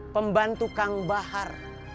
pembantu kang bahar